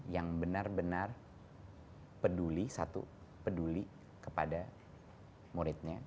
yang benar benar peduli satu peduli kepada muridnya